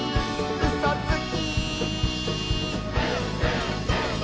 「うそつき！」